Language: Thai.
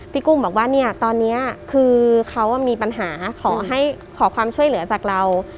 กุ้งบอกว่าเนี่ยตอนนี้คือเขามีปัญหาขอความช่วยเหลือจากเรา